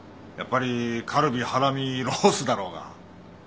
やっぱりカルビハラミロースだろうが。